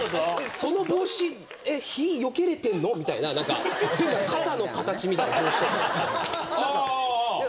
その帽子、日よけれてんのみたいな、なんか、傘の形みたいな帽子とか。